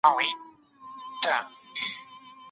که خاطب مخکي واده کړی وي څه بايد وسي؟